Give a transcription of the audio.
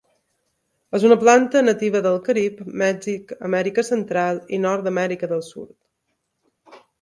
És una planta nativa del Carib, Mèxic, Amèrica Central i nord d'Amèrica del Sud.